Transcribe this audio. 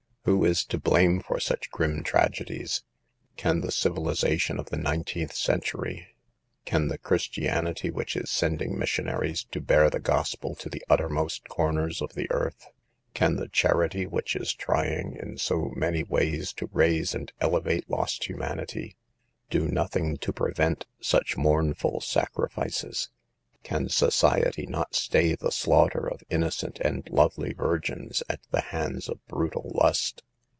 Who is to blame for such grim tragedies? Can the civilization of the 19th century, can the Christianity which is sending missionaries to bear the Gospel to the uttermost corners of the earth, can the charity which is trying in so many ways to raise and elevate lost humanity, do nothing to prevent such mournful sacri fices ? Can society not stay the slaughter of innocent and lovely virgins at the hands of brutal lust?